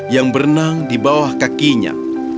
yang berenang di bawah kakinya